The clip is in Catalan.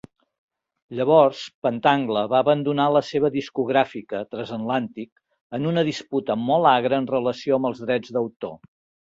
Llavors, Pentangle va abandonar la seva discogràfica, Transatlantic, en una disputa molt acre en relació amb els drets d'autor.